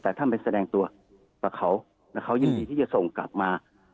แต่ท่านไปแสดงตัวแต่เขายินดีที่ส่งกลับมา